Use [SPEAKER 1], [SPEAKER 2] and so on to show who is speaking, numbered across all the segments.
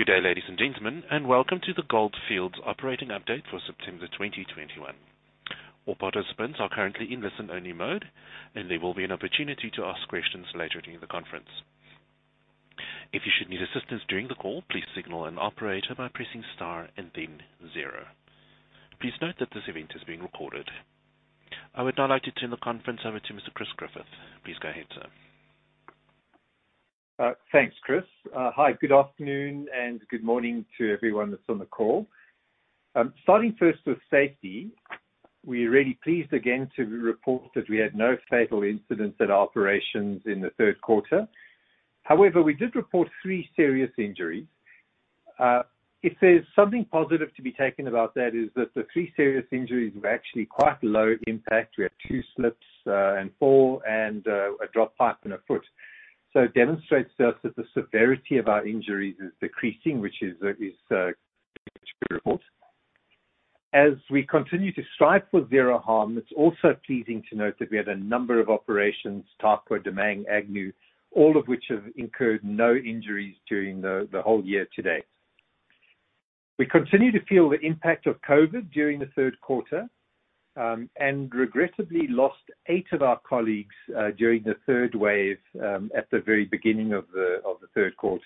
[SPEAKER 1] Good day, ladies and gentlemen, and welcome to the Gold Fields Operating Update for September 2021. All participants are currently in listen-only mode, and there will be an opportunity to ask questions later during the conference. If you should need assistance during the call, please signal an operator by pressing star and then zero. Please note that this event is being recorded. I would now like to turn the conference over to Mr. Chris Griffith. Please go ahead, sir.
[SPEAKER 2] Thanks, Chris. Hi, good afternoon, and good morning to everyone that's on the call. Starting first with safety, we're really pleased again to report that we had no fatal incidents at operations in the Q3. However, we did report three serious injuries. If there's something positive to be taken about that is that the three serious injuries were actually quite low impact. We had two slips and a fall, and a dropped pipe on a foot. So it demonstrates to us that the severity of our injuries is decreasing, which is good to report. As we continue to strive for zero harm, it's also pleasing to note that we had a number of operations, Tarkwa, Damang, Agnew, all of which have incurred no injuries during the whole year to date. We continued to feel the impact of COVID during the Q3 and regrettably lost eight of our colleagues during the third wave at the very beginning of the Q3.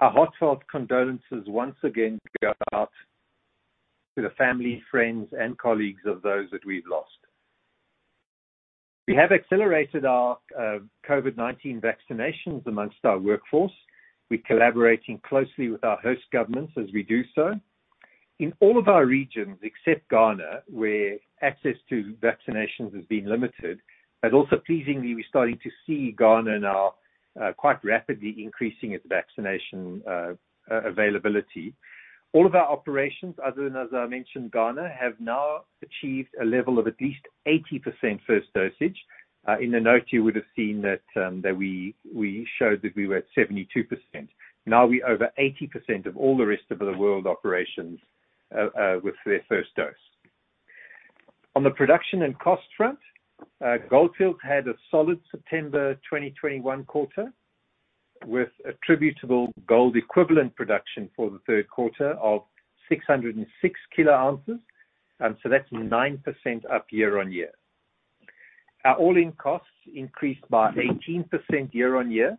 [SPEAKER 2] Our heartfelt condolences once again go out to the family, friends and colleagues of those that we've lost. We have accelerated our COVID-19 vaccinations among our workforce. We're collaborating closely with our host governments as we do so. In all of our regions, except Ghana, where access to vaccinations has been limited, but also pleasingly, we're starting to see Ghana now quite rapidly increasing its vaccination availability. All of our operations, other than, as I mentioned, Ghana, have now achieved a level of at least 80% first dose. In the notes, you would have seen that we showed that we were at 72%. Now we're over 80% of all the rest of the world operations with their first dose. On the production and cost front, Gold Fields had a solid September 2021 quarter, with attributable gold equivalent production for the Q3 of 606 koz, and so that's 9% up year-on-year. Our all-in costs increased by 18% year-on-year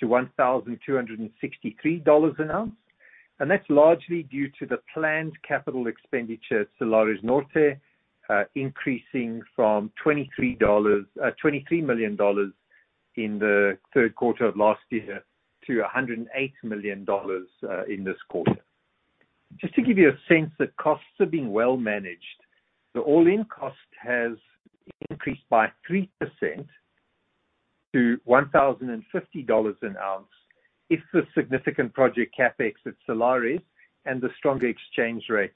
[SPEAKER 2] to $1,263 an ounce, and that's largely due to the planned capital expenditure at Salares Norte, increasing from $23 million in the Q3 of last year to $108 million in this quarter. Just to give you a sense that costs are being well managed, the all-in cost has increased by 3% to $1,050 an ounce if we exclude the significant project CapEx at Salares and the stronger exchange rates.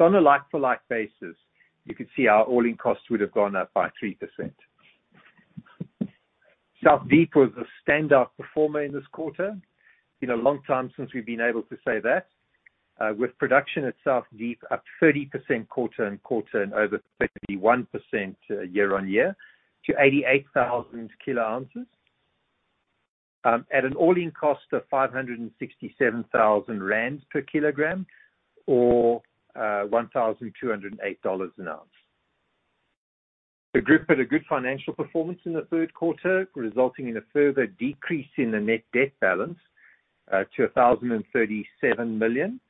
[SPEAKER 2] On a like-for-like basis, you can see our all-in costs would have gone up by 3%. South Deep was a standout performer in this quarter. Been a long time since we've been able to say that. With production at South Deep up 30% quarter-on-quarter and over 31% year-on-year to 88,000 koz, at an all-in cost of 567,000 rand per kilogram or $1,208 an ounce. The group had a good financial performance in the Q3, resulting in a further decrease in the net debt balance to $1,037 million,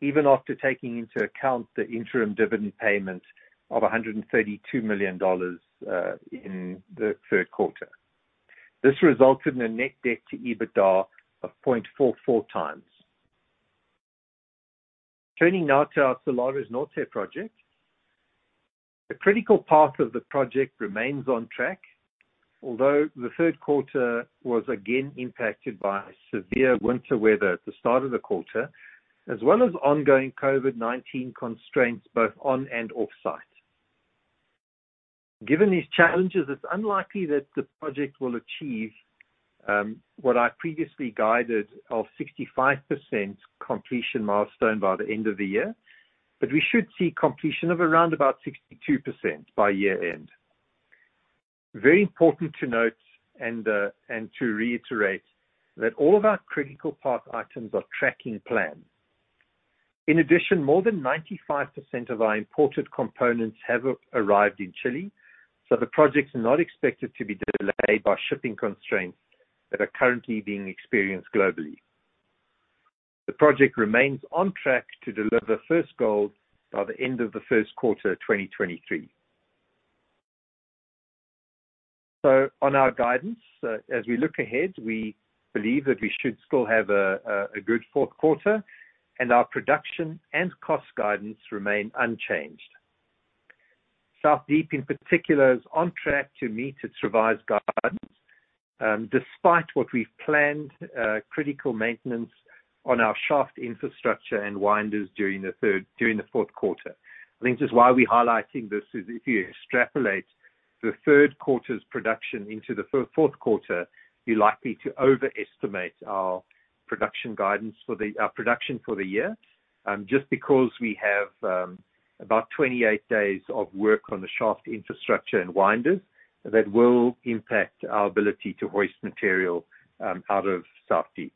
[SPEAKER 2] even after taking into account the interim dividend payment of $132 million in the Q3. This resulted in a net debt to EBITDA of 0.44x. Turning now to our Salares Norte project. The critical path of the project remains on track, although the Q3 was again impacted by severe winter weather at the start of the quarter, as well as ongoing COVID-19 constraints both on and offsite. Given these challenges, it's unlikely that the project will achieve what I previously guided of 65% completion milestone by the end of the year, but we should see completion of around about 62% by year-end. Very important to note and to reiterate that all of our critical path items are tracking plan. In addition, more than 95% of our imported components have arrived in Chile, so the project's not expected to be delayed by shipping constraints that are currently being experienced globally. The project remains on track to deliver first gold by the end of the Q1 of 2023. On our guidance, as we look ahead, we believe that we should still have a good Q4, and our production and cost guidance remain unchanged. South Deep in particular is on track to meet its revised guidance, despite what we've planned, critical maintenance on our shaft infrastructure and winders during the Q4. I think just why we're highlighting this is if you extrapolate the Q3's production into the Q4, you're likely to overestimate our production guidance for our production for the year, just because we have about 28 days of work on the shaft infrastructure and winders that will impact our ability to hoist material out of South Deep.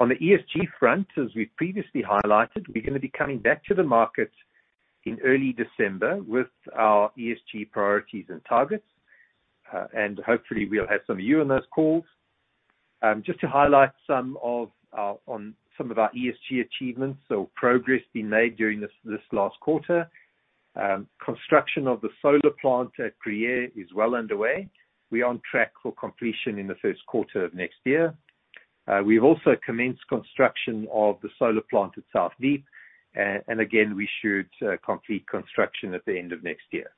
[SPEAKER 2] On the ESG front, as we've previously highlighted, we're gonna be coming back to the market in early December with our ESG priorities and targets. Hopefully we'll have some of you on those calls. Just to highlight some of our ESG achievements or progress being made during this last quarter. Construction of the solar plant at Kriel is well underway. We're on track for completion in the Q1 of next year. We've also commenced construction of the solar plant at South Deep. Again, we should complete construction at the end of next year.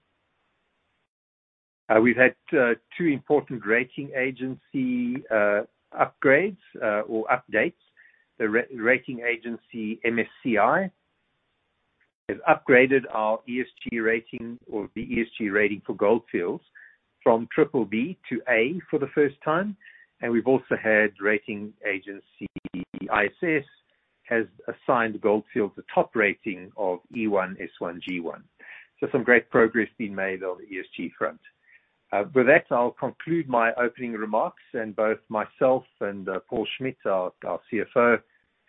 [SPEAKER 2] We've had two important rating agency upgrades or updates. The rating agency MSCI has upgraded our ESG rating or the ESG rating for Gold Fields from triple B to A for the first time. We've also had rating agency ISS has assigned Gold Fields a top rating of E1 S1 G1. Some great progress being made on the ESG front. With that, I'll conclude my opening remarks and both myself and Paul Schmidt, our CFO,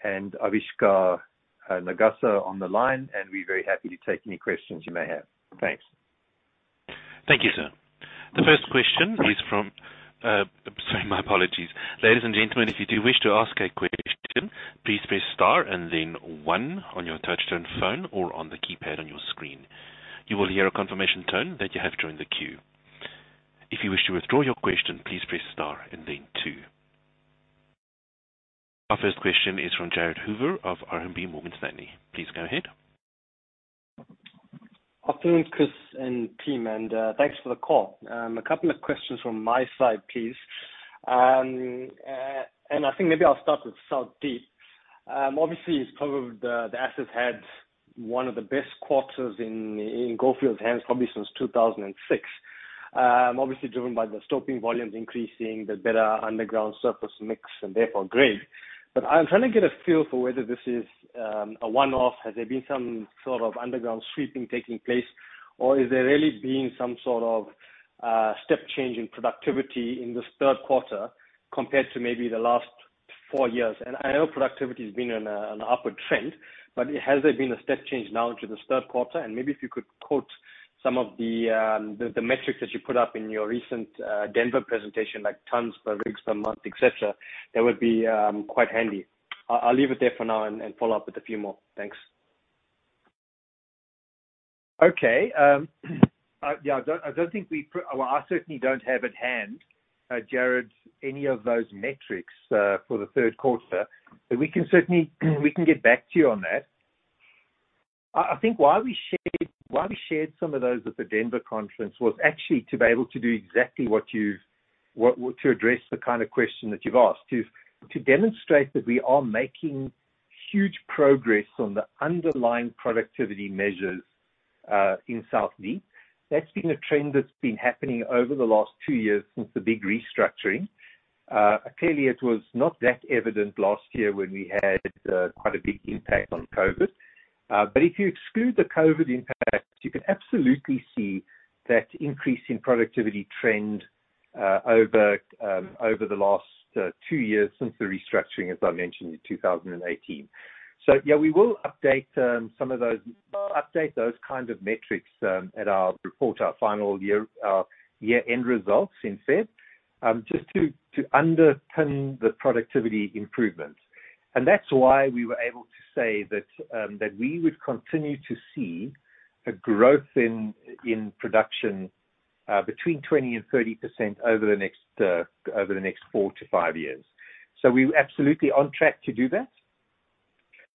[SPEAKER 2] and Avishkar Nagaser on the line, and we're very happy to take any questions you may have. Thanks.
[SPEAKER 1] Thank you, sir. Ladies and gentlemen, if you do wish to ask a question, please press star and then one on your touch-tone phone or on the keypad on your screen. You will hear a confirmation tone that you have joined the queue. If you wish to withdraw your question, please press star and then two. Our first question is from Jared Hoover of RMB Morgan Stanley. Please go ahead.
[SPEAKER 3] Afternoon, Chris and team, and thanks for the call. A couple of questions from my side, please. I think maybe I'll start with South Deep. Obviously, it's probably the asset's had one of the best quarters in Gold Fields' hands probably since 2006. Obviously driven by the stoping volumes increasing, the better underground surface mix and therefore grade. I'm trying to get a feel for whether this is a one-off. Has there been some sort of underground sweeping taking place, or is there really been some sort of step change in productivity in this Q3 compared to maybe the last four years? I know productivity has been on an upward trend, but has there been a step change now into this Q3? Maybe if you could quote some of the the metrics that you put up in your recent Denver presentation, like tons per rig per month, et cetera, that would be quite handy. I'll leave it there for now and follow up with a few more. Thanks.
[SPEAKER 2] Well, I certainly don't have at hand, Jared, any of those metrics for the Q3. We can certainly get back to you on that. I think why we shared some of those at the Denver conference was actually to be able to do exactly what you've to address the kind of question that you've asked, to demonstrate that we are making huge progress on the underlying productivity measures in South Deep. That's been a trend that's been happening over the last two years since the big restructuring. Clearly, it was not that evident last year when we had quite a big impact on COVID. If you exclude the COVID impact, you can absolutely see that increase in productivity trend over the last two years since the restructuring, as I mentioned, in 2018. We will update some of those kind of metrics at our year-end results in February just to underpin the productivity improvements. That's why we were able to say that we would continue to see a growth in production between 20%-30% over the next four to five years. We're absolutely on track to do that.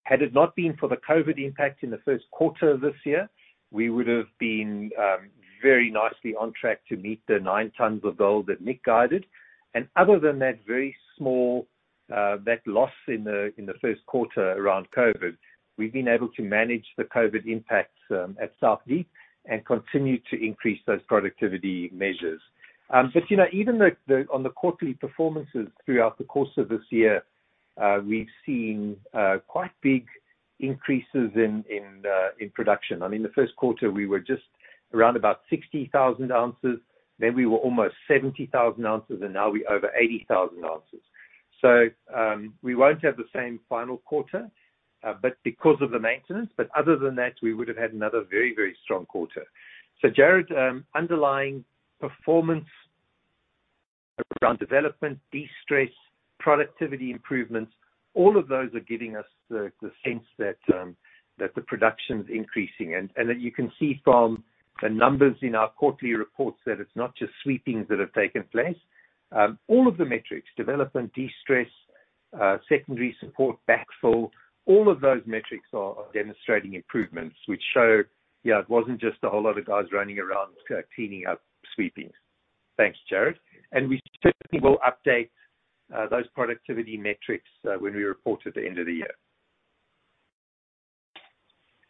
[SPEAKER 2] Had it not been for the COVID impact in the Q1 of this year, we would have been very nicely on track to meet the 9 tons of gold that Nick guided. Other than that very small loss in the Q1 around COVID, we've been able to manage the COVID impact at South Deep and continue to increase those productivity measures. You know, even on the quarterly performances throughout the course of this year, we've seen quite big increases in production. I mean, the Q1, we were just around about 60,000 ounces, then we were almost 70,000 oz, and now we're over 80,000 oz. We won't have the same final quarter, but because of the maintenance. Other than that, we would have had another very, very strong quarter. Jared, underlying performance around development, destress, productivity improvements, all of those are giving us the sense that the production is increasing. You can see from the numbers in our quarterly reports that it's not just sweepings that have taken place. All of the metrics, development, destress, secondary support, backfill, all of those metrics are demonstrating improvements which show, yeah, it wasn't just a whole lot of guys running around cleaning up sweepings. Thanks, Jared. We certainly will update those productivity metrics when we report at the end of the year.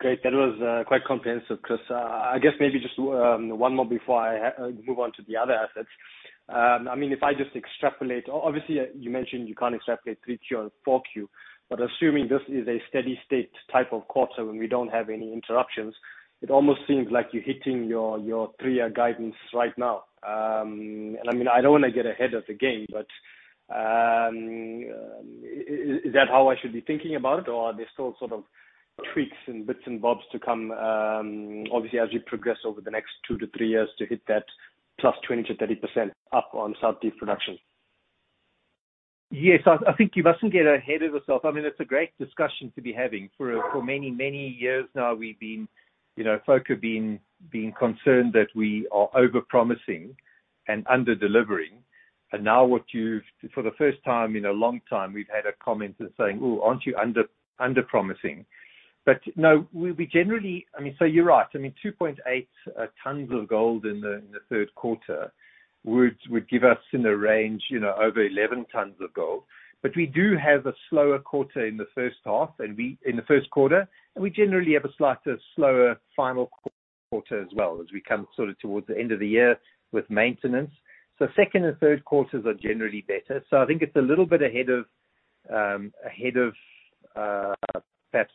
[SPEAKER 3] Great. That was quite comprehensive, Chris. I guess maybe just one more before I move on to the other assets. I mean, if I just extrapolate. Obviously, you mentioned you can't extrapolate Q3 or Q4, but assuming this is a steady-state type of quarter, when we don't have any interruptions, it almost seems like you're hitting your three-year guidance right now. I mean, I don't wanna get ahead of the game, but is that how I should be thinking about it? Or are there still sort of tweaks and bits and bobs to come, obviously as you progress over the next two to three years to hit that +20%-30% up on South Deep production?
[SPEAKER 2] Yes. I think you mustn't get ahead of yourself. I mean, it's a great discussion to be having. For many years now, we've been you know, folk have been concerned that we are overpromising and under-delivering. Now for the first time in a long time, we've had a comment that's saying, "Oh, aren't you underpromising?" No, we generally. I mean, so you're right. I mean, 2.8 tons of gold in the Q3 would give us in the range, you know, over 11 tons of gold. We do have a slower quarter in the H1, and in the Q1, and we generally have a slightly slower final quarter as well as we come sort of towards the end of the year with maintenance. Q2 and Q3s are generally better. I think it's a little bit ahead of perhaps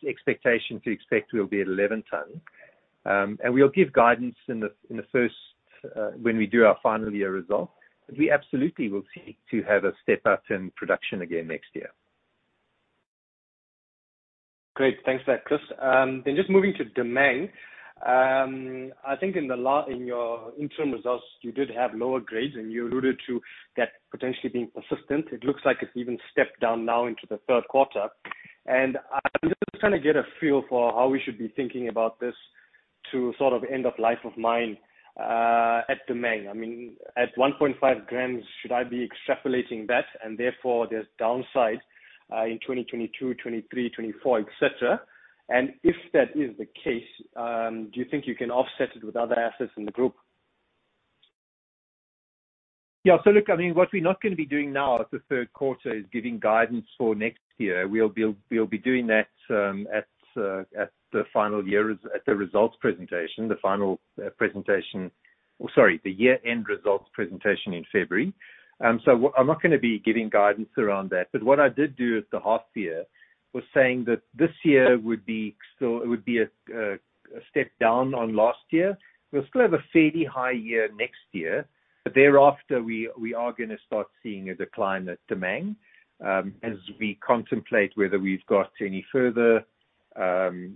[SPEAKER 2] expectation to expect we'll be at 11 tons. And we'll give guidance in the first when we do our final year results. We absolutely will seek to have a step-up in production again next year.
[SPEAKER 3] Great. Thanks for that, Chris. Just moving to Damang. I think in your interim results, you did have lower grades, and you alluded to that potentially being persistent. It looks like it's even stepped down now into the Q3. I'm just trying to get a feel for how we should be thinking about this to sort of end of life of mine at Damang. I mean, at 1.5 g, should I be extrapolating that, and therefore there's downside in 2022, 2023, 2024, et cetera? And if that is the case, do you think you can offset it with other assets in the group?
[SPEAKER 2] Yeah. Look, I mean, what we're not gonna be doing now at the Q3 is giving guidance for next year. We'll be doing that at the year-end results presentation in February. I'm not gonna be giving guidance around that. What I did do at the half year was saying that this year would still be a step down on last year. We'll still have a fairly high year next year, but thereafter we are gonna start seeing a decline at Damang, as we contemplate whether we've got any further cutbacks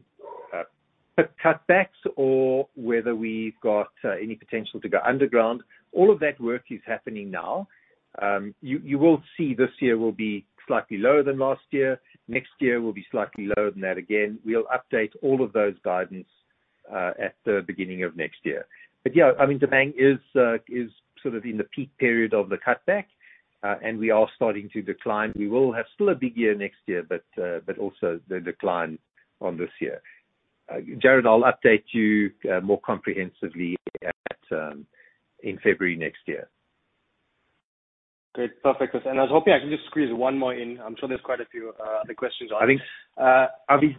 [SPEAKER 2] or whether we've got any potential to go underground. All of that work is happening now. You will see this year will be slightly lower than last year. Next year will be slightly lower than that again. We'll update all of those guidance at the beginning of next year. Yeah, I mean, Damang is sort of in the peak period of the cutback, and we are starting to decline. We will have still a big year next year, but also the decline on this year. Jared, I'll update you more comprehensively in February next year.
[SPEAKER 3] Great. Perfect. I was hoping I can just squeeze one more in. I'm sure there's quite a few other questions on.
[SPEAKER 2] I think,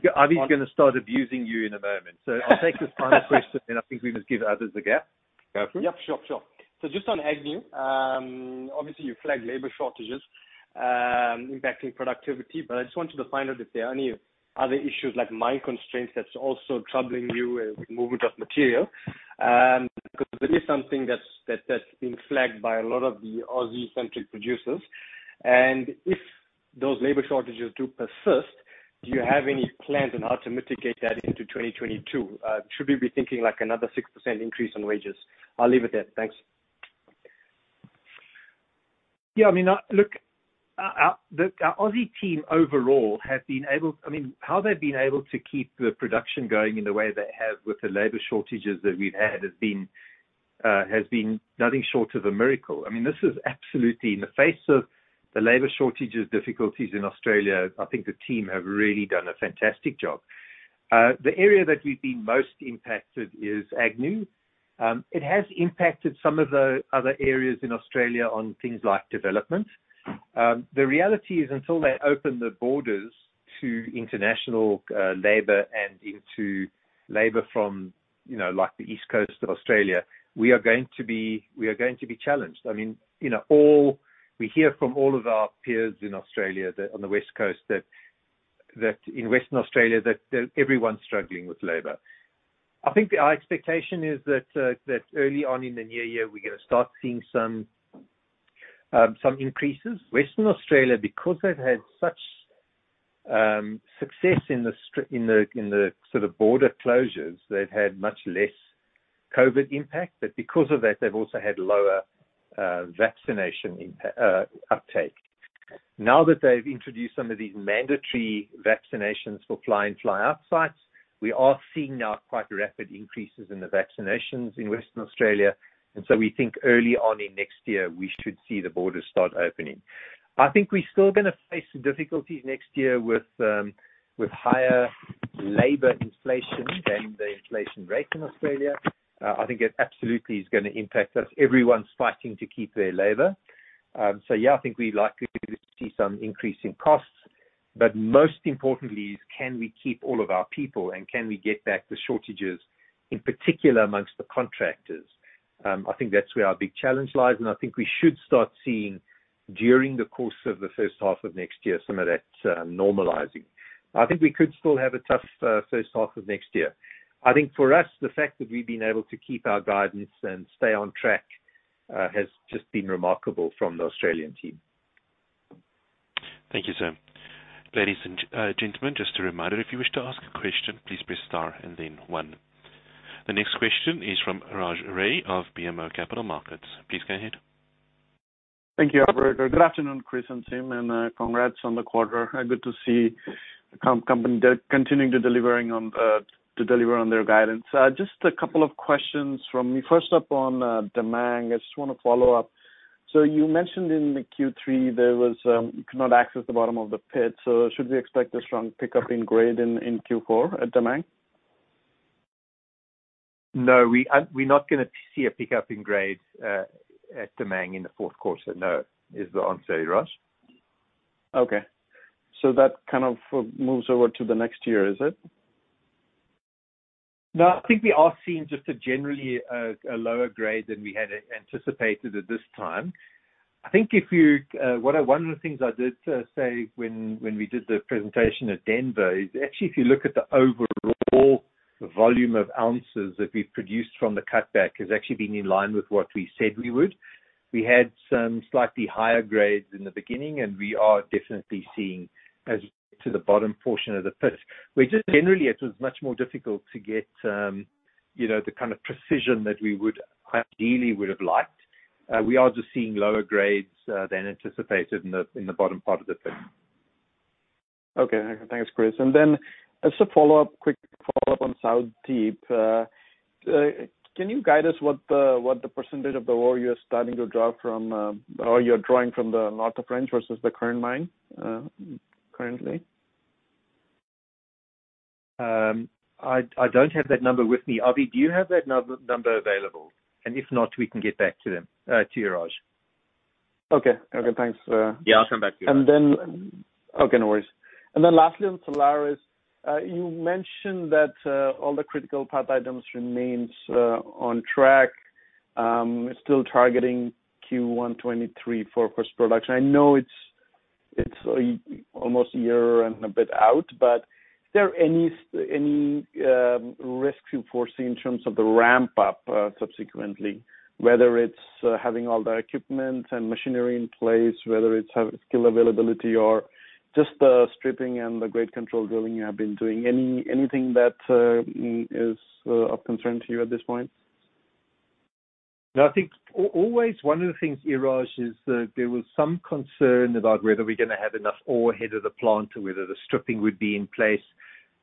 [SPEAKER 2] Avi's gonna start abusing you in a moment. I'll take this final question, then I think we must give others a gap. Go for it.
[SPEAKER 3] Yep. Sure. Just on Agnew, obviously you flagged labor shortages impacting productivity. I just wanted to find out if there are any other issues like mine constraints that's also troubling you with movement of material. Because that is something that's being flagged by a lot of the Aussie-centric producers. If those labor shortages do persist, do you have any plans on how to mitigate that into 2022? Should we be thinking like another 6% increase on wages? I'll leave it there. Thanks.
[SPEAKER 2] Yeah, I mean, look, our Aussie team overall have been able to keep the production going in the way they have with the labor shortages that we've had has been nothing short of a miracle. I mean, this is absolutely in the face of the labor shortages difficulties in Australia. I think the team have really done a fantastic job. The area that we've been most impacted is Agnew. It has impacted some of the other areas in Australia on things like development. The reality is, until they open the borders to international labor and into labor from, you know, like the East Coast of Australia, we are going to be challenged. I mean, you know, we hear from all of our peers in Australia that on the West Coast that in Western Australia that everyone's struggling with labor. I think our expectation is that early on in the new year, we're gonna start seeing some increases. Western Australia, because they've had such success in the sort of border closures, they've had much less COVID impact. But because of that, they've also had lower vaccination uptake. Now that they've introduced some of these mandatory vaccinations for fly-in fly-out sites, we are seeing now quite rapid increases in the vaccinations in Western Australia. We think early on in next year, we should see the borders start opening. I think we're still gonna face some difficulties next year with higher labor inflation than the inflation rate in Australia. I think it absolutely is gonna impact us. Everyone's fighting to keep their labor. Yeah, I think we're likely to see some increase in costs, but most importantly is can we keep all of our people and can we get back the shortages, in particular amongst the contractors? I think that's where our big challenge lies, and I think we should start seeing during the course of the H1 of next year some of that normalizing. I think we could still have a tough H1 of next year. I think for us, the fact that we've been able to keep our guidance and stay on track has just been remarkable from the Australian team.
[SPEAKER 1] Thank you, sir. Ladies and gentlemen, just a reminder, if you wish to ask a question, please press star and then one. The next question is from Raj Ray of BMO Capital Markets. Please go ahead.
[SPEAKER 4] Thank you, operator. Good afternoon, Chris and team, and congrats on the quarter. Good to see company they're continuing to deliver on their guidance. Just a couple of questions from me. First up on Damang, I just wanna follow up. You mentioned in the Q3 there was you could not access the bottom of the pit, so should we expect a strong pickup in grade in Q4 at Damang?
[SPEAKER 2] No, we're not gonna see a pickup in grades at Damang in the Q4, no. No is the answer, Raj.
[SPEAKER 4] Okay. That kind of moves over to the next year, is it?
[SPEAKER 2] No, I think we are seeing just generally lower grade than we had anticipated at this time. I think one of the things I did say when we did the presentation at Denver is actually if you look at the overall volume of ounces that we've produced from the cutback has actually been in line with what we said we would. We had some slightly higher grades in the beginning, and we are definitely seeing as to the bottom portion of the pit, where just generally it was much more difficult to get, you know, the kind of precision that we would ideally have liked. We are just seeing lower grades than anticipated in the bottom part of the pit.
[SPEAKER 4] Okay. Thanks, Chris. As a follow-up, quick follow-up on South Deep. Can you guide us what the percentage of the ore you're starting to draw from, or you're drawing from the North of Wrench versus the current mine, currently?
[SPEAKER 2] I don't have that number with me. Avi, do you have that number available? If not, we can get back to them, to you, Raj.
[SPEAKER 4] Okay, thanks.
[SPEAKER 2] Yeah, I'll come back to you.
[SPEAKER 4] Okay, no worries. Lastly on Salares, you mentioned that all the critical path items remains on track, still targeting Q1 2023 for first production. I know it's almost a year and a bit out, but is there any risk you foresee in terms of the ramp up subsequently? Whether it's having all the equipment and machinery in place, whether it's have skill availability or just the stripping and the grade control drilling you have been doing. Anything that is of concern to you at this point?
[SPEAKER 2] No, I think overall one of the things, Raj, is that there was some concern about whether we're gonna have enough ore ahead of the plant or whether the stripping would be in place.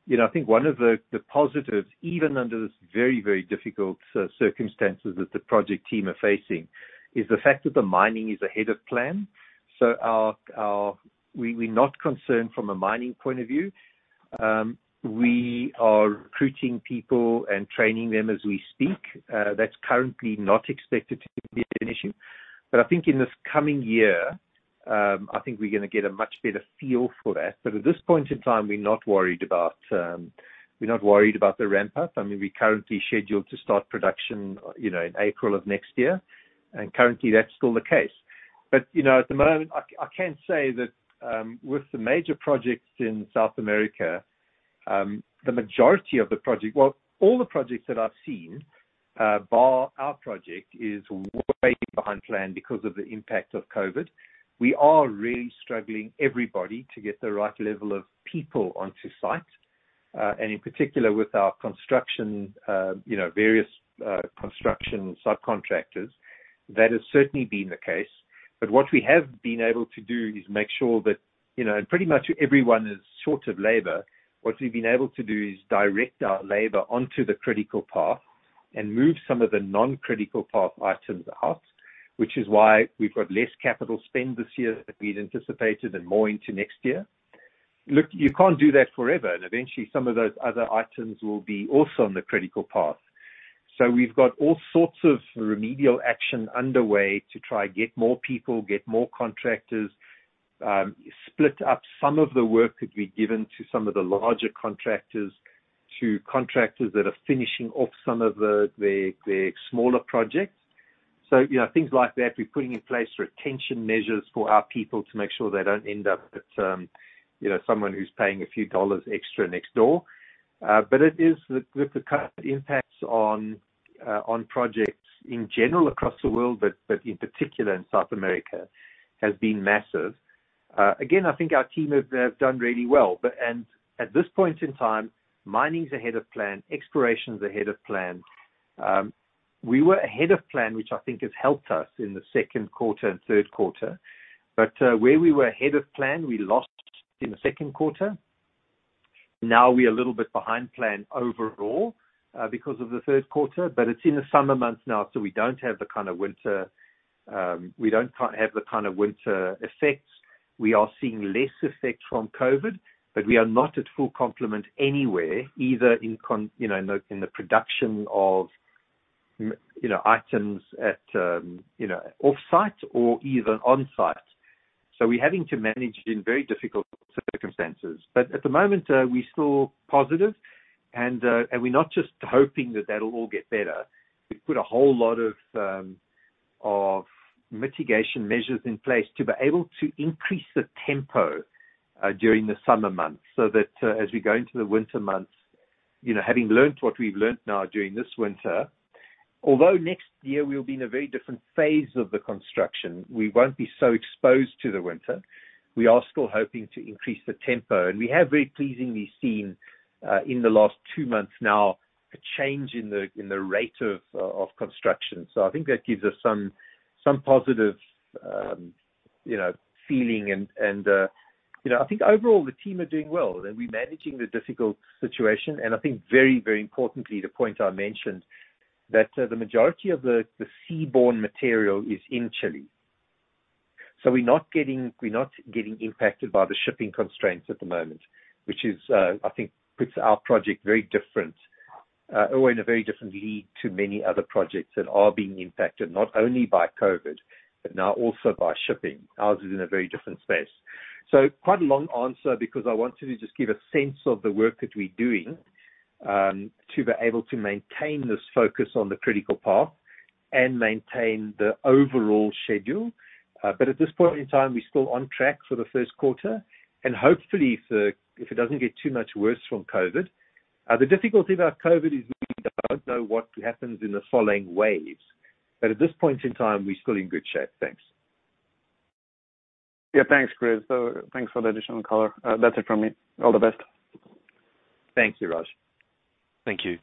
[SPEAKER 2] You know, I think one of the positives, even under this very, very difficult circumstances that the project team are facing, is the fact that the mining is ahead of plan. We're not concerned from a mining point of view. We are recruiting people and training them as we speak. That's currently not expected to be an issue. I think in this coming year, I think we're gonna get a much better feel for that. At this point in time, we're not worried about the ramp up. I mean, we are currently scheduled to start production, you know, in April of next year, and currently that's still the case. You know, at the moment, I can say that with the major projects in South America, all the projects that I've seen, bar our project, is way behind plan because of the impact of COVID. We are really struggling, everybody, to get the right level of people onto site, and in particular with our construction, you know, various construction subcontractors. That has certainly been the case. What we have been able to do is make sure that, you know, pretty much everyone is short of labor. What we've been able to do is direct our labor onto the critical path and move some of the non-critical path items out, which is why we've got less capital spend this year than we'd anticipated and more into next year. Look, you can't do that forever, and eventually some of those other items will be also on the critical path. We've got all sorts of remedial action underway to try get more people, get more contractors, split up some of the work that we've given to some of the larger contractors, to contractors that are finishing off some of the, their smaller projects. You know, things like that, we're putting in place retention measures for our people to make sure they don't end up with, you know, someone who's paying a few dollars extra next door. With the current impacts on projects in general across the world, but in particular in South America, has been massive. Again, I think our team have done really well. At this point in time, mining's ahead of plan, exploration's ahead of plan. We were ahead of plan, which I think has helped us in the Q2 and Q3. Where we were ahead of plan, we lost in the Q2. We're a little bit behind plan overall because of the Q3, but it's in the summer months now, so we don't have the kind of winter effects. We are seeing less effect from COVID, but we are not at full complement anywhere, either you know in the production of you know items at you know off-site or even on-site. We're having to manage in very difficult circumstances. At the moment, we're still positive and we're not just hoping that that'll all get better. We've put a whole lot of mitigation measures in place to be able to increase the tempo during the summer months, so that as we go into the winter months, you know having learnt what we've learnt now during this winter. Although next year we'll be in a very different phase of the construction. We won't be so exposed to the winter. We are still hoping to increase the tempo, and we have very pleasingly seen in the last two months now a change in the rate of construction. So I think that gives us some positive, you know, feeling and you know I think overall the team are doing well and we're managing the difficult situation. I think very, very importantly, the point I mentioned, that the majority of the seaborne material is in Chile. We're not getting impacted by the shipping constraints at the moment, which is, I think puts our project very different or in a very different league to many other projects that are being impacted not only by COVID, but now also by shipping. Ours is in a very different space. Quite a long answer because I wanted to just give a sense of the work that we're doing to be able to maintain this focus on the critical path and maintain the overall schedule. At this point in time, we're still on track for the Q1, and hopefully if it doesn't get too much worse from COVID. The difficulty about COVID is we don't know what happens in the following waves. At this point in time, we're still in good shape. Thanks.
[SPEAKER 4] Yeah. Thanks, Chris. Thanks for the additional color. That's it from me. All the best.
[SPEAKER 2] Thank you, Raj.
[SPEAKER 1] Thank you.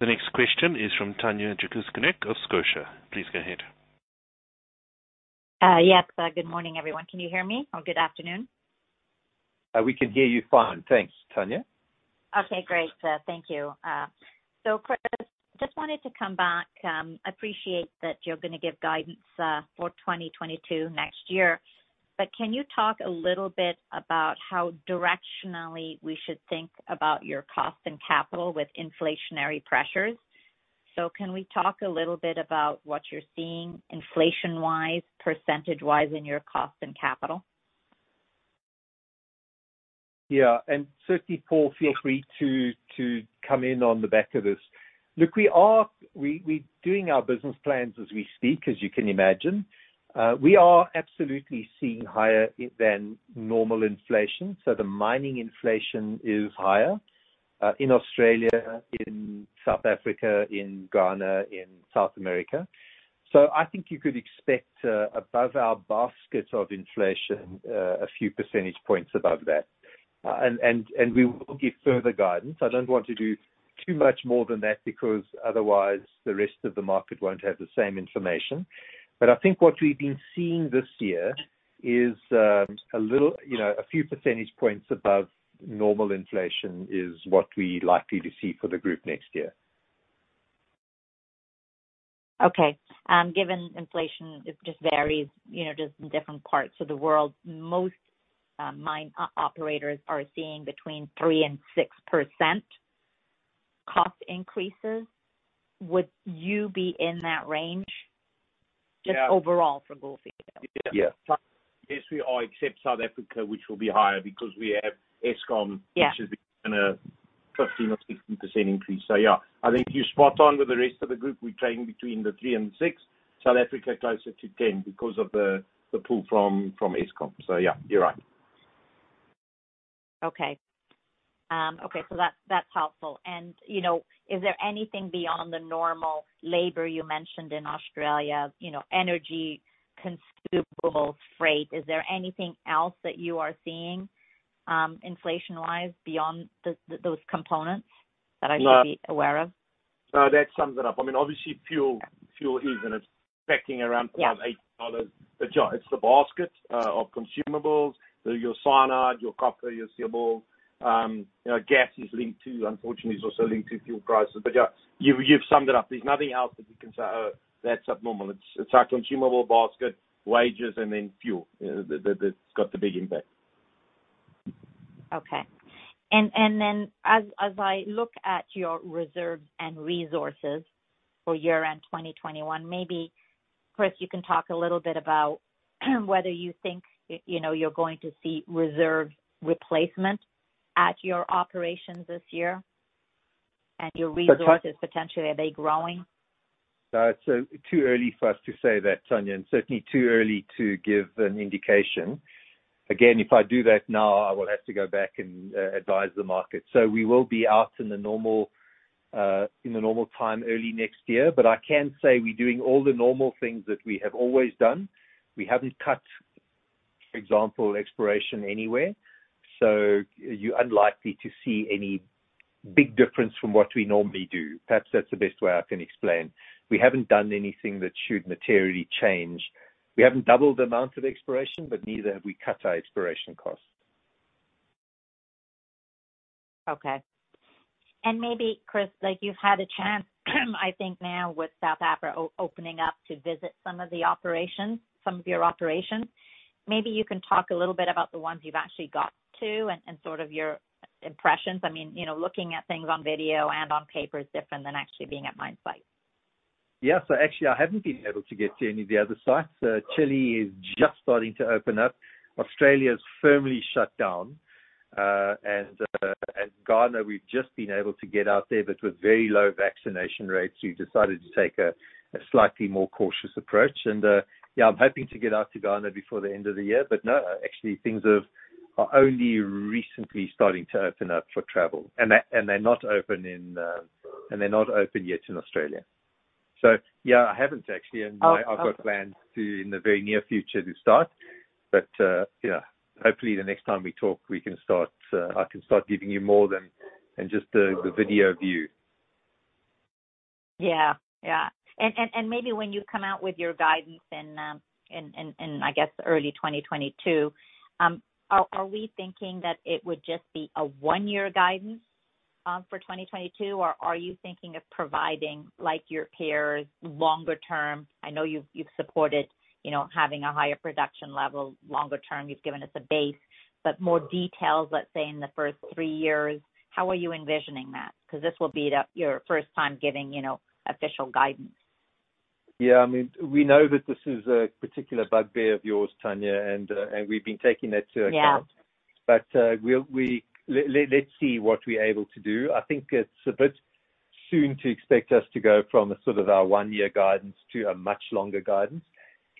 [SPEAKER 1] The next question is from Tanya Jakusconek of Scotia. Please go ahead.
[SPEAKER 5] Yes. Good morning, everyone. Can you hear me? Or good afternoon.
[SPEAKER 2] We can hear you fine. Thanks, Tanya.
[SPEAKER 5] Okay, great. Thank you. Chris, just wanted to come back. Appreciate that you're gonna give guidance for 2022 next year. Can you talk a little bit about how directionally we should think about your cost and capital with inflationary pressures? Can we talk a little bit about what you're seeing inflation-wise, percentage-wise in your cost and capital?
[SPEAKER 2] Yeah. Certainly, Paul, feel free to come in on the back of this. Look, we're doing our business plans as we speak, as you can imagine. We are absolutely seeing higher than normal inflation. The mining inflation is higher in Australia, in South Africa, in Ghana, in South America. I think you could expect above our basket of inflation a few percentage points above that. We will give further guidance. I don't want to do too much more than that because otherwise the rest of the market won't have the same information. I think what we've been seeing this year is a little, you know, a few percentage points above normal inflation is what we're likely to see for the group next year.
[SPEAKER 5] Okay. Given inflation, it just varies, you know, just in different parts of the world. Most mine operators are seeing between 3%-6% cost increases. Would you be in that range?
[SPEAKER 2] Yeah.
[SPEAKER 5] Just overall for Gold Fields?
[SPEAKER 2] Yeah.
[SPEAKER 6] Yeah.
[SPEAKER 2] Yes, we are, except South Africa, which will be higher because we have Eskom.
[SPEAKER 5] Yeah.
[SPEAKER 2] -which is gonna 15% or 16% increase. Yeah. I think you're spot on with the rest of the group. We're trading between 3 and 6. South Africa closer to 10 because of the pull from Eskom. Yeah, you're right.
[SPEAKER 5] That's helpful. You know, is there anything beyond the normal labor you mentioned in Australia, you know, energy, consumable freight, is there anything else that you are seeing, inflation-wise beyond those components that I should be aware of?
[SPEAKER 6] No, that sums it up. I mean, obviously fuel is. It's the basket of consumables, your cyanide, your copper, your steel ball. You know, gas is linked to, unfortunately, it's also linked to fuel prices. But yeah, you've summed it up. There's nothing else that we can say, oh, that's abnormal. It's our consumable basket, wages and then fuel. That's got the big impact.
[SPEAKER 5] Okay. As I look at your reserves and resources for year-end 2021, maybe, Chris, you can talk a little bit about whether you think, you know, you're going to see reserve replacement at your operations this year and your resources potentially, are they growing?
[SPEAKER 2] It's too early for us to say that, Tanya, and certainly too early to give an indication. Again, if I do that now, I will have to go back and advise the market. We will be out in the normal time early next year. I can say we're doing all the normal things that we have always done. We haven't cut, for example, exploration anywhere. You're unlikely to see any big difference from what we normally do. Perhaps that's the best way I can explain. We haven't done anything that should materially change. We haven't doubled the amount of exploration, but neither have we cut our exploration costs.
[SPEAKER 5] Okay. Maybe Chris, like you've had a chance I think now with South Africa opening up to visit some of the operations, some of your operations. Maybe you can talk a little bit about the ones you've actually got to and sort of your impressions. I mean, you know, looking at things on video and on paper is different than actually being at mine site.
[SPEAKER 2] Yeah. Actually I haven't been able to get to any of the other sites. Chile is just starting to open up. Australia's firmly shut down. Ghana, we've just been able to get out there, but with very low vaccination rates, we've decided to take a slightly more cautious approach. Yeah, I'm hoping to get out to Ghana before the end of the year. No, actually things are only recently starting to open up for travel. They're not open yet in Australia. Yeah, I haven't actually, and I've got plans to in the very near future to start. Yeah, hopefully the next time we talk, we can start. I can start giving you more than just the video view.
[SPEAKER 5] Yeah. Maybe when you come out with your guidance in, I guess early 2022, are we thinking that it would just be a one-year guidance for 2022? Or are you thinking of providing like your peers longer term? I know you've supported, you know, having a higher production level longer term. You've given us a base, but more details, let's say in the first three years, how are you envisioning that? 'Cause this will be your first time giving, you know, official guidance.
[SPEAKER 2] Yeah. I mean, we know that this is a particular bugbear of yours, Tanya, and we've been taking that into account.
[SPEAKER 5] Yeah.
[SPEAKER 2] Let's see what we're able to do. I think it's a bit soon to expect us to go from a sort of our one-year guidance to a much longer guidance.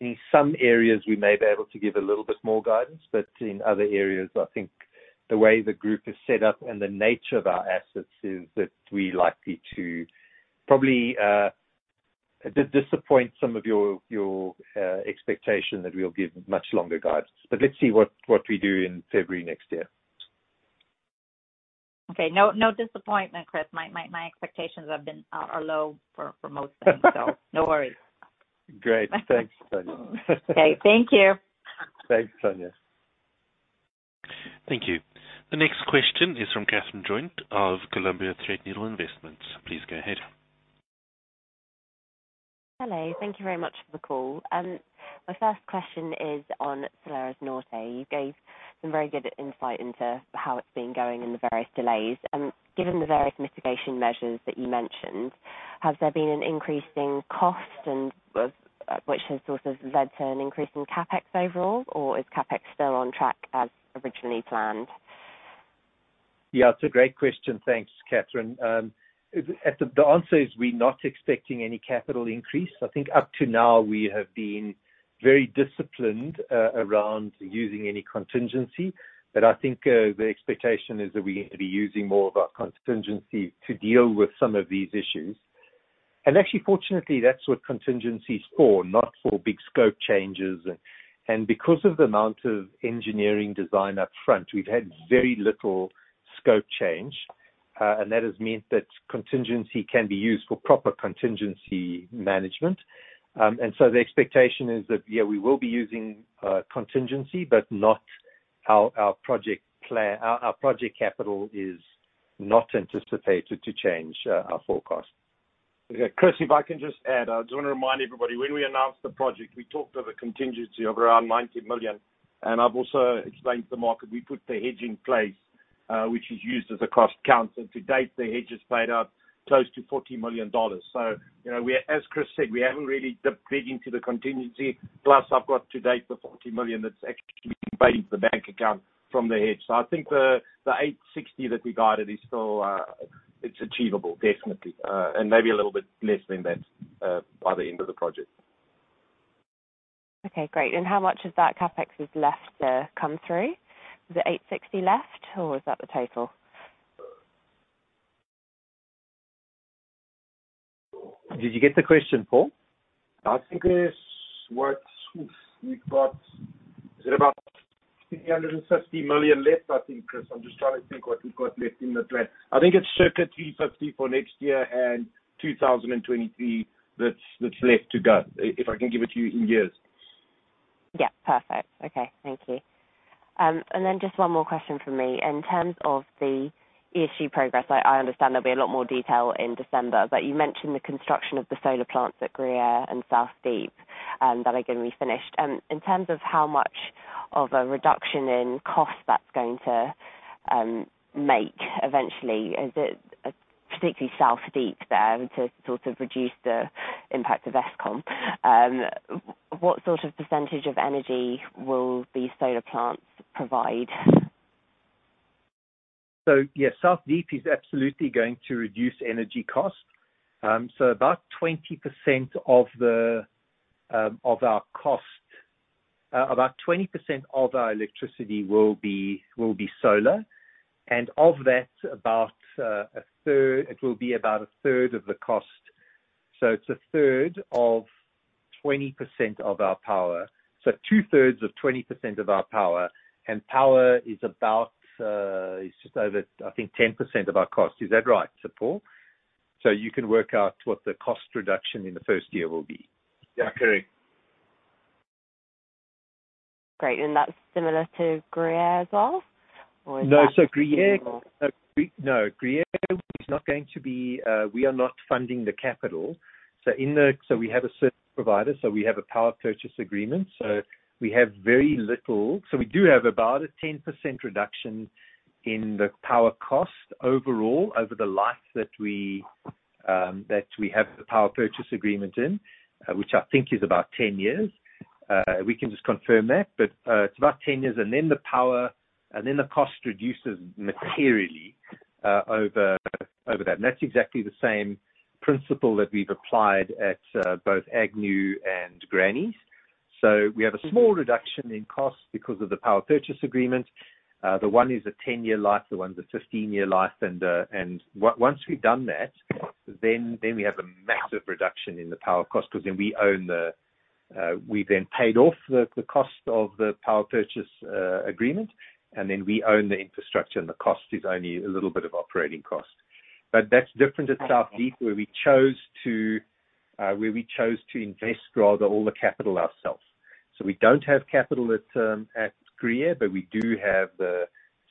[SPEAKER 2] In some areas we may be able to give a little bit more guidance, but in other areas, I think the way the group is set up and the nature of our assets is that we likely to probably disappoint some of your expectation that we'll give much longer guidance. Let's see what we do in February next year.
[SPEAKER 5] Okay. No, no disappointment, Chris. My expectations have been, are low for most things. No worries.
[SPEAKER 2] Great. Thanks, Tanya.
[SPEAKER 5] Okay. Thank you.
[SPEAKER 2] Thanks, Tanya.
[SPEAKER 1] Thank you. The next question is from Catherine Joint of Columbia Threadneedle Investments. Please go ahead.
[SPEAKER 7] Hello. Thank you very much for the call. My first question is on Salares Norte. You gave some very good insight into how it's been going and the various delays. Given the various mitigation measures that you mentioned, has there been an increase in cost and, which has sort of led to an increase in CapEx overall, or is CapEx still on track as originally planned?
[SPEAKER 2] Yeah, it's a great question. Thanks, Catherine. The answer is we're not expecting any capital increase. I think up to now we have been very disciplined around using any contingency. I think the expectation is that we're gonna be using more of our contingency to deal with some of these issues. Actually, fortunately, that's what contingency is for, not for big scope changes. Because of the amount of engineering design up front, we've had very little scope change, and that has meant that contingency can be used for proper contingency management. The expectation is that, yeah, we will be using contingency, but not our project plan. Our project capital is not anticipated to change, our forecast.
[SPEAKER 6] Okay. Chris, if I can just add. I just wanna remind everybody, when we announced the project, we talked of a contingency of around $90 million, and I've also explained to the market we put the hedging in place, which is used as a cross-currency. To date, the hedge has paid out close to $40 million. You know, as Chris said, we haven't really dipped big into the contingency. Plus I've got to date the $40 million that's actually paid into the bank account from the hedge. I think the 860 that we guided is still, it's achievable, definitely, and maybe a little bit less than that, by the end of the project.
[SPEAKER 7] Okay, great. How much of that CapEx is left to come through? Is it 860 left or is that the total?
[SPEAKER 2] Did you get the question, Paul?
[SPEAKER 6] I think there's what. We've got. Is it about $360 million left, I think, Chris? I'm just trying to think what we've got left in the plan. I think it's circa $350 million for next year and 2023 that's left to go, if I can give it to you in years.
[SPEAKER 7] Yeah. Perfect. Okay. Thank you. Just one more question from me. In terms of the project progress, I understand there'll be a lot more detail in December, but you mentioned the construction of the solar plants at Granny Smith and South Deep that are gonna be finished. In terms of how much of a reduction in cost that's going to make eventually, is it particularly South Deep there to sort of reduce the impact of Eskom? What sort of percentage of energy will these solar plants provide?
[SPEAKER 2] South Deep is absolutely going to reduce energy costs. About 20% of our electricity will be solar. Of that, about 1/3 of the cost. It's 1/3 of 20% of our power. 2/3 of 20% of our power. Power is just over, I think, 10% of our cost. Is that right, Paul? You can work out what the cost reduction in the first year will be.
[SPEAKER 6] Yeah. Correct.
[SPEAKER 7] Great. That's similar to Gruyere as well? Or is that?
[SPEAKER 2] No, Gruyere is not going to be, we are not funding the capital. We have a service provider, so we have a power purchase agreement. We have very little. We do have about a 10% reduction in the power cost overall over the life that we have the power purchase agreement in, which I think is about 10 years. We can just confirm that. It's about 10 years. Then the cost reduces materially over that. That's exactly the same principle that we've applied at both Agnew and Granny Smith. We have a small reduction in costs because of the power purchase agreement. The one is a 10-year life, the one's a 15-year life. Once we've done that, then we have a massive reduction in the power cost because we've then paid off the cost of the power purchase agreement, and then we own the infrastructure, and the cost is only a little bit of operating cost. That's different at South Deep where we chose to invest all the capital ourselves. We don't have capital at Gruyere, but we do have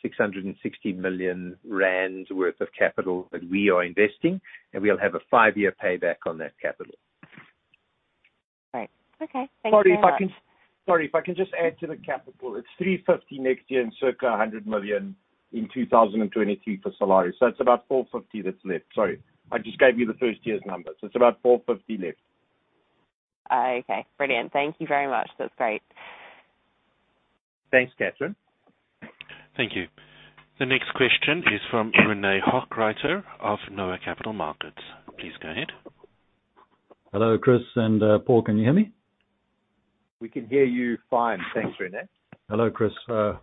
[SPEAKER 2] 660 million rand worth of capital that we are investing, and we'll have a five-year payback on that capital.
[SPEAKER 7] Great. Okay. Thank you very much.
[SPEAKER 6] Sorry if I can just add to the CapEx. It's $350 million next year and circa $100 million in 2022 for Salares Norte. It's about $450 million that's left. Sorry, I just gave you the first year's numbers. It's about $450 million left.
[SPEAKER 7] Okay. Brilliant. Thank you very much. That's great.
[SPEAKER 2] Thanks, Catherine.
[SPEAKER 1] Thank you. The next question is from Rene Hochreiter of NOAH Capital Markets. Please go ahead.
[SPEAKER 8] Hello, Chris and Paul. Can you hear me?
[SPEAKER 2] We can hear you fine. Thanks, Rene.
[SPEAKER 8] Hello, Chris. Yeah,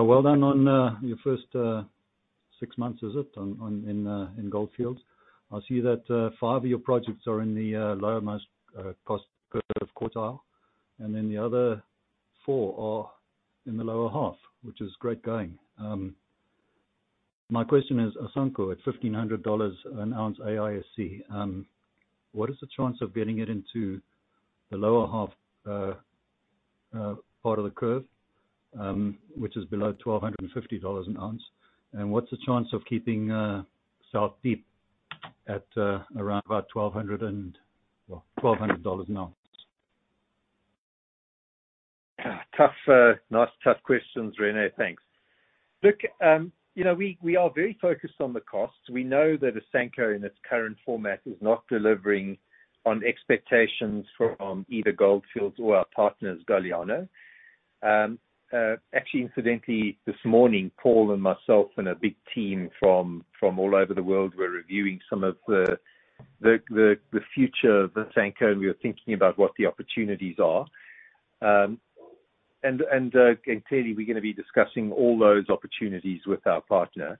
[SPEAKER 8] well done on your first six months, is it, on in Gold Fields. I see that five of your projects are in the lowermost cost curve quartile, and then the other four are in the lower half, which is great going. My question is Asanko, at $1,500 an ounce AISC, what is the chance of getting it into the lower half part of the curve, which is below $1,250 an ounce? What's the chance of keeping South Deep at around about $1,200 an ounce?
[SPEAKER 2] Tough, nice tough questions, Rene. Thanks. Look, you know, we are very focused on the costs. We know that Asanko in its current format is not delivering on expectations from either Gold Fields or our partners, Galiano. Actually, incidentally, this morning, Paul and myself and a big team from all over the world, we're reviewing some of the future of Asanko, and we are thinking about what the opportunities are. Clearly we're gonna be discussing all those opportunities with our partner.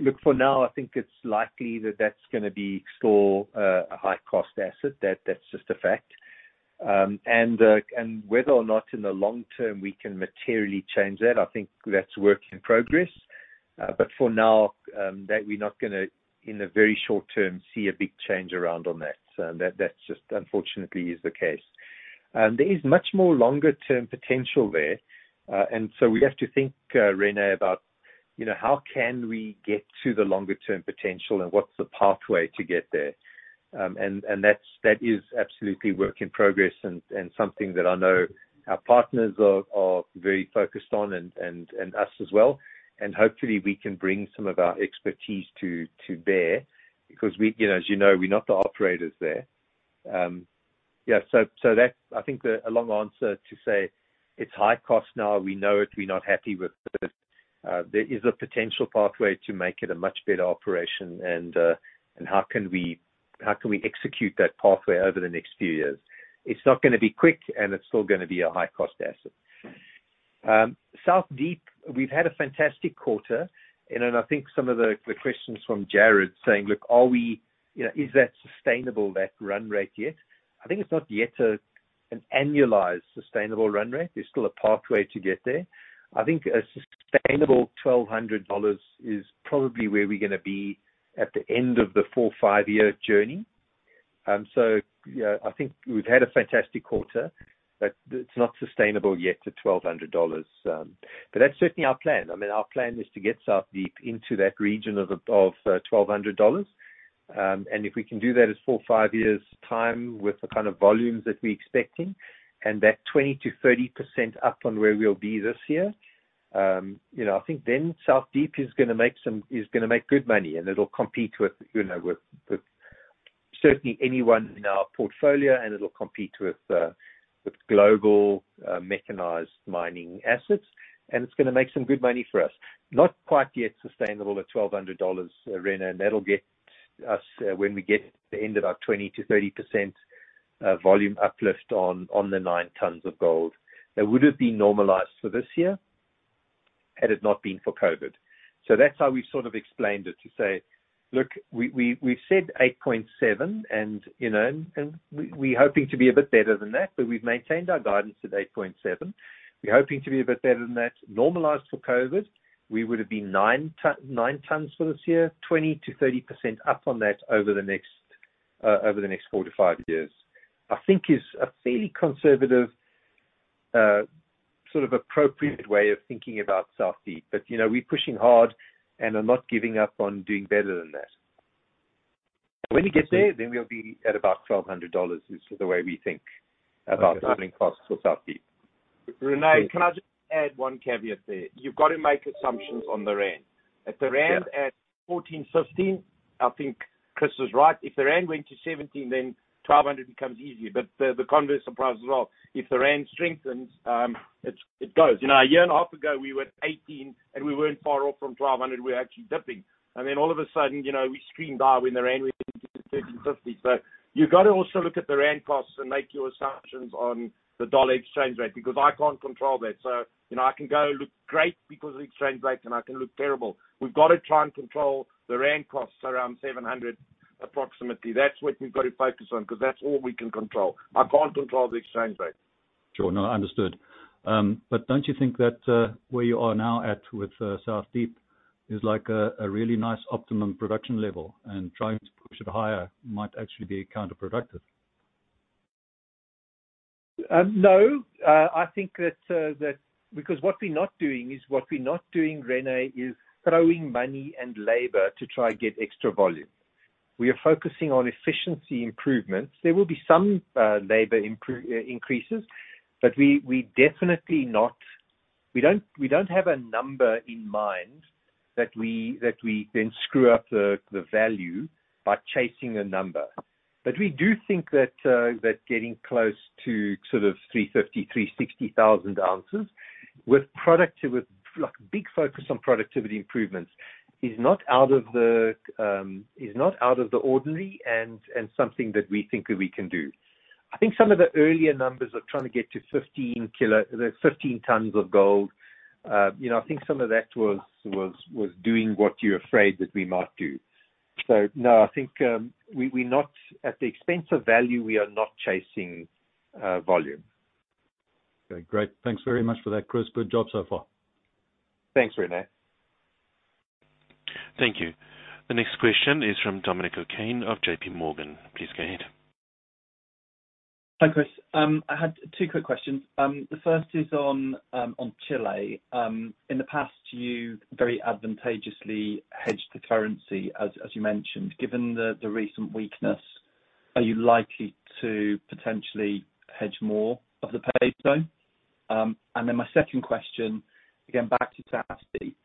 [SPEAKER 2] Look, for now, I think it's likely that that's gonna be still a high cost asset. That's just a fact. Whether or not in the long term we can materially change that, I think that's a work in progress. For now, we're not gonna, in the very short term, see a big change around on that. That's just, unfortunately, the case. There is much more long-term potential there. We have to think, Rene, about, you know, how can we get to the long-term potential and what's the pathway to get there. That's absolutely work in progress and us as well. Hopefully we can bring some of our expertise to bear because, you know, as you know, we're not the operators there. Yeah, so that's, I think, a long answer to say it's high cost now. We know it. We're not happy with it. There is a potential pathway to make it a much better operation and how can we execute that pathway over the next few years. It's not gonna be quick, and it's still gonna be a high cost asset. South Deep, we've had a fantastic quarter, and then I think some of the questions from Jared saying, "Look, are we, you know, is that sustainable, that run rate yet?", I think it's not yet an annualized sustainable run rate. There's still a pathway to get there. I think a sustainable $1,200 is probably where we're gonna be at the end of the four or five-year journey. You know, I think we've had a fantastic quarter, but it's not sustainable yet to $1,200. But that's certainly our plan. I mean, our plan is to get South Deep into that region of $1,200. If we can do that in four to five years time with the kind of volumes that we're expecting and that 20%-30% up on where we'll be this year, you know, I think then South Deep is gonna make good money and it'll compete with, you know, with certainly anyone in our portfolio and it'll compete with global mechanized mining assets, and it's gonna make some good money for us. Not quite yet sustainable at $1,200, Rene, and that'll get us when we get to the end of our 20%-30% volume uplift on the 9 tons of gold. That would have been normalized for this year had it not been for COVID. That's how we've sort of explained it to say, "Look, we've said 8.7 and, you know, we're hoping to be a bit better than that, but we've maintained our guidance at 8.7." We're hoping to be a bit better than that. Normalized for COVID, we would have been 9 tons for this year, 20%-30% up on that over the next four to five years, I think is a fairly conservative sort of appropriate way of thinking about South Deep. You know, we're pushing hard and are not giving up on doing better than that. When we get there, then we'll be at about $1,200 is the way we think about all-in costs for South Deep.
[SPEAKER 6] Rene, can I just add one caveat there? You've got to make assumptions on the rand. If the rand at 14, 15, I think Chris is right. If the rand went to 17, then $1,200 becomes easier. But the converse applies as well. If the rand strengthens, it goes. You know, a year and a half ago, we were at 18 and we weren't far off from $1,200. We were actually dipping. All of a sudden, you know, we screamed when the rand went to 13.50. So you've got to also look at the rand costs and make your assumptions on the dollar exchange rate, because I can't control that. You know, I can go look great because of the exchange rate, and I can look terrible. We've got to try and control the rand costs around 700, approximately. That's what we've got to focus on, 'cause that's all we can control. I can't control the exchange rate.
[SPEAKER 8] Sure. No, understood. Don't you think that where you are now at with South Deep is like a really nice optimum production level and trying to push it higher might actually be counterproductive?
[SPEAKER 2] No. I think that because what we're not doing, Rene, is throwing money and labor to try and get extra volume. We are focusing on efficiency improvements. There will be some labor increases, but we definitely don't have a number in mind that we then screw up the value by chasing a number. We do think that getting close to sort of 350,000-360,000 oz with productivity, with like big focus on productivity improvements is not out of the ordinary and something that we think that we can do. I think some of the earlier numbers of trying to get to 15 tons of gold, you know, I think some of that was doing what you're afraid that we might do. No, I think, we're not at the expense of value. We are not chasing volume.
[SPEAKER 8] Okay, great. Thanks very much for that, Chris. Good job so far.
[SPEAKER 2] Thanks, Rene.
[SPEAKER 1] Thank you. The next question is from Dominic O'Kane of JPMorgan. Please go ahead.
[SPEAKER 9] Hi, Chris. I had two quick questions. The first is on Chile. In the past, you very advantageously hedged the currency, as you mentioned. Given the recent weakness, are you likely to potentially hedge more of the peso? My second question, again, back to South Deep.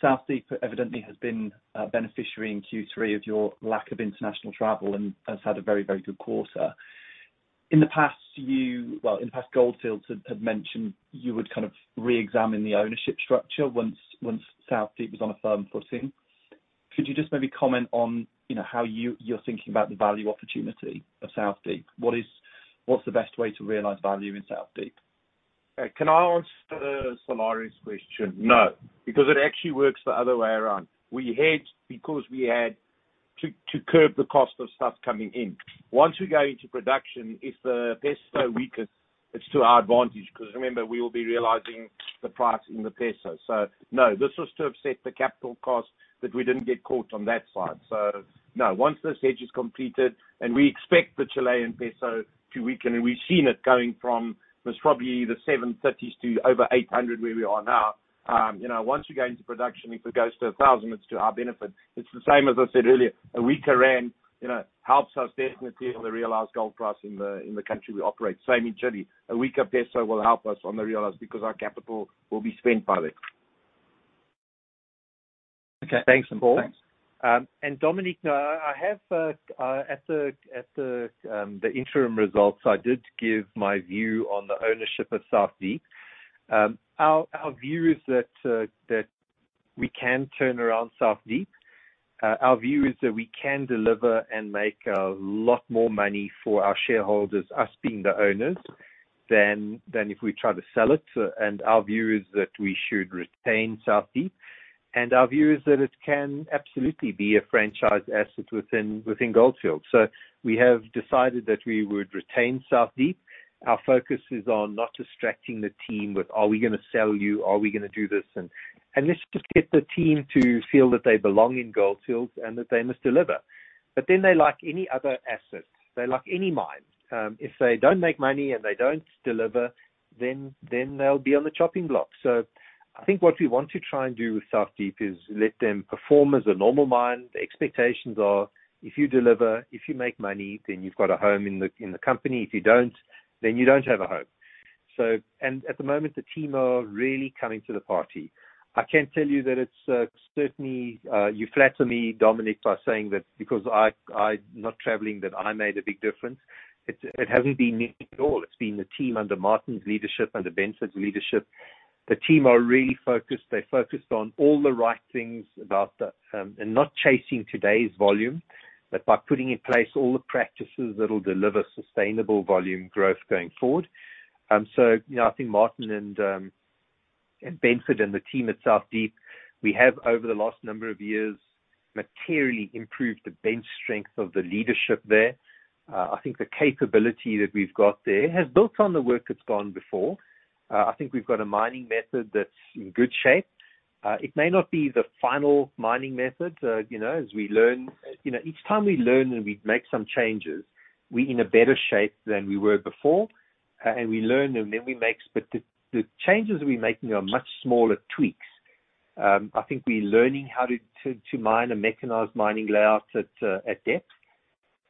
[SPEAKER 9] South Deep evidently has been a beneficiary in Q3 of your lack of international travel and has had a very good quarter. In the past, Gold Fields had mentioned you would kind of reexamine the ownership structure once South Deep was on a firm footing. Could you just maybe comment on, you know, how you're thinking about the value opportunity of South Deep? What's the best way to realize value in South Deep?
[SPEAKER 6] Can I answer Salares’ question? No, because it actually works the other way around. We hedged because we had to curb the cost of stuff coming in. Once we go into production, if the peso weakens, it's to our advantage because remember, we will be realizing the price in the peso. No, this was to offset the capital cost that we didn't get caught on that side. No, once this hedge is completed and we expect the Chilean peso to weaken, and we've seen it going from, it was probably the 730s to over 800 where we are now. You know, once you go into production, if it goes to 1,000, it's to our benefit. It's the same as I said earlier, a weaker rand, you know, helps us definitely on the realized gold price in the country we operate. Same in Chile. A weaker peso will help us on the CapEx because our capital will be spent in that.
[SPEAKER 2] Okay. Thanks, Paul.
[SPEAKER 6] Thanks.
[SPEAKER 2] Dominic, no, I have at the interim results. I did give my view on the ownership of South Deep. Our view is that we can turn around South Deep. Our view is that we can deliver and make a lot more money for our shareholders, us being the owners, than if we try to sell it. Our view is that we should retain South Deep. Our view is that it can absolutely be a franchise asset within Gold Fields. We have decided that we would retain South Deep. Our focus is on not distracting the team with are we gonna sell you? Are we gonna do this? Let's just get the team to feel that they belong in Gold Fields and that they must deliver. They're like any other asset. They're like any mine. If they don't make money and they don't deliver, then they'll be on the chopping block. I think what we want to try and do with South Deep is let them perform as a normal mine. The expectations are if you deliver, if you make money, then you've got a home in the company. If you don't, then you don't have a home. At the moment, the team are really coming to the party. I can tell you that it's certainly you flatter me, Dominic, by saying that because I'm not traveling, that I made a big difference. It hasn't been me at all. It's been the team under Martin's leadership, under Benson's leadership. The team are really focused. They're focused on all the right things and not chasing today's volume, but by putting in place all the practices that'll deliver sustainable volume growth going forward. I think Martin and Benson and the team at South Deep, we have over the last number of years materially improved the bench strength of the leadership there. I think the capability that we've got there has built on the work that's gone before. I think we've got a mining method that's in good shape. It may not be the final mining method as we learn. Each time we learn and we make some changes, we're in a better shape than we were before, and we learn and make changes. The changes we're making are much smaller tweaks. I think we're learning how to mine a mechanized mining layout at depth.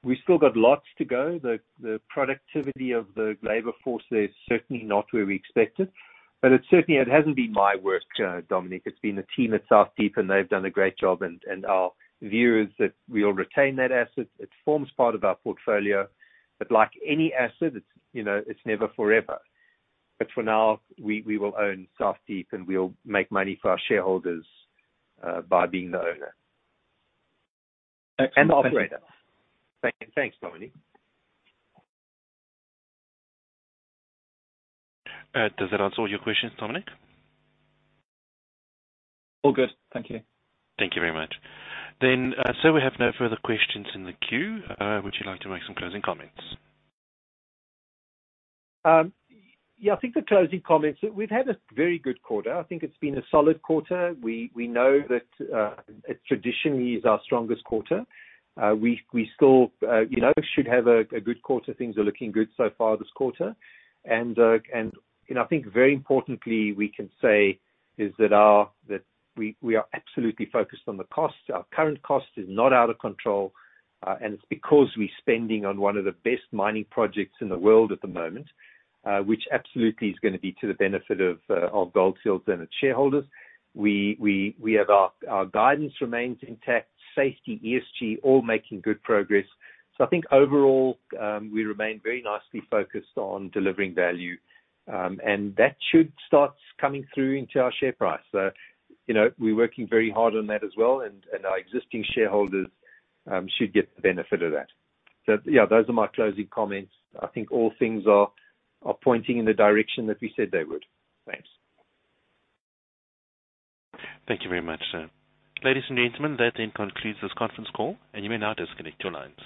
[SPEAKER 2] We still got lots to go. The productivity of the labor force there is certainly not where we expected, but it certainly hasn't been my work, Dominic, it's been the team at South Deep, and they've done a great job. Our view is that we'll retain that asset. It forms part of our portfolio. Like any asset, it's, you know, it's never forever. For now, we will own South Deep, and we'll make money for our shareholders by being the owner.
[SPEAKER 9] Excellent.
[SPEAKER 2] The operator. Thanks, Dominic.
[SPEAKER 1] Does that answer all your questions, Dominic?
[SPEAKER 9] All good. Thank you.
[SPEAKER 1] Thank you very much. We have no further questions in the queue. Would you like to make some closing comments?
[SPEAKER 2] Yeah, I think the closing comments. We've had a very good quarter. I think it's been a solid quarter. We know that it traditionally is our strongest quarter. We still, you know, should have a good quarter. Things are looking good so far this quarter. And you know, I think very importantly we can say is that our that we are absolutely focused on the cost. Our current cost is not out of control, and it's because we're spending on one of the best mining projects in the world at the moment, which absolutely is gonna be to the benefit of Gold Fields and its shareholders. We have our guidance remains intact, safety, ESG, all making good progress. I think overall, we remain very nicely focused on delivering value, and that should start coming through into our share price. You know, we're working very hard on that as well and our existing shareholders should get the benefit of that. Yeah, those are my closing comments. I think all things are pointing in the direction that we said they would. Thanks.
[SPEAKER 1] Thank you very much, sir. Ladies and gentlemen, that then concludes this conference call, and you may now disconnect your lines.